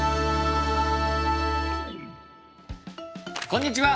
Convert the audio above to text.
こんにちは！